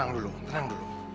tenang dulu tenang dulu